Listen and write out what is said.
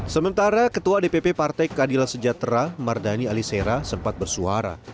sementara ketua dpp partai keadilan sejahtera mardani alisera sempat bersuara